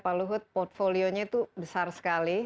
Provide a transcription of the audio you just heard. pak luhut portfolio nya itu besar sekali